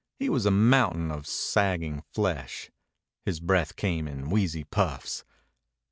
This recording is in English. He was a mountain of sagging flesh. His breath came in wheezy puffs.